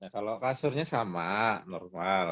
kalau kasurnya sama normal